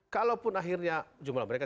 kalaupun akhirnya jumlah mereka